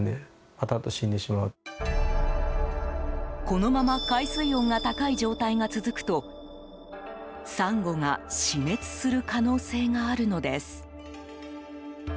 このまま海水温が高い状態が続くとサンゴが死滅する可能性があるのです。